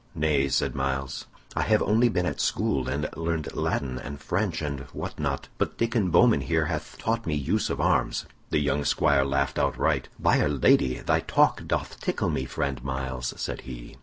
"Nay," said Myles, "I have only been at school, and learned Latin and French and what not. But Diccon Bowman here hath taught me use of arms." The young squire laughed outright. "By'r Lady, thy talk doth tickle me, friend Myles," said he.